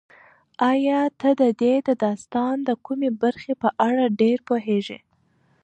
ایا ته د دې داستان د کومې برخې په اړه ډېر پوهېږې؟